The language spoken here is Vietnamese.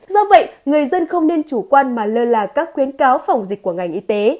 do vậy người dân không nên chủ quan mà lơ là các khuyến cáo phòng dịch của ngành y tế